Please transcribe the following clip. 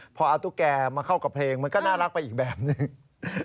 พอเอาตุ๊กแก่มาเข้ากับเพลงมันก็น่ารักไปอีกแบบหนึ่ง